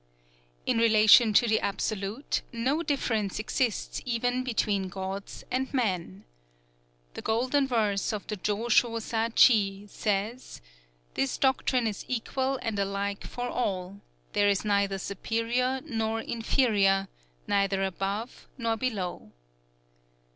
_" In relation to the Absolute, no difference exists even between gods and men: "_The Golden Verse of the Jō sho sa chi says: 'This doctrine is equal and alike for all; there is neither superior nor inferior, neither above nor below.